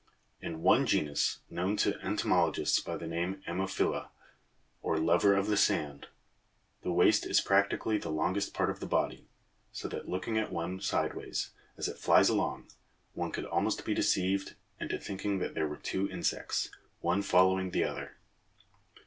In one genus known to entomologists by the name Ammophila (fig. 2) or "lover of the sand", the waist is practically the longest part of the body, so that looking at one sideways as it flies along, one could almost be deceived into thinking that there were two insects, one following the other (cf.